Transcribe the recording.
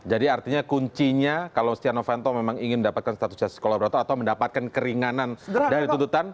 jadi artinya kuncinya kalau si cian hovanto memang ingin mendapatkan status jasa sekolah beratur atau mendapatkan keringanan dari tuntutan